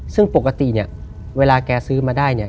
ซึ่งปกติเนี่ยเวลาแกซื้อมาได้เนี่ย